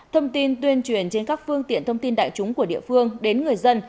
thông tin tuyên truyền trên các phương tiện thông tin đại chúng của địa phương đến người dân